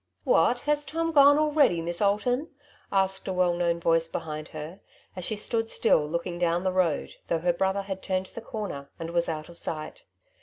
"What, has Tom gone already. Miss Alton ?^^ asked a well known voice behind her, as she stood still looking down the road, though her brother had turned the corner and was out of sight.